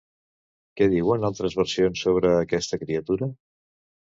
Què diuen altres versions sobre aquesta criatura?